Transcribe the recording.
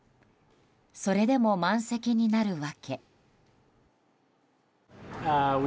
それでも満席になる訳。